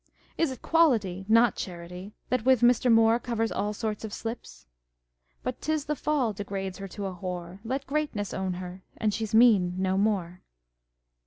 Is it quality, not charity, that with Mr. Moore covers all sorts of slips ? But 'tis the fall degrades her to a whore ; Let Greatness own her, and she's mean no more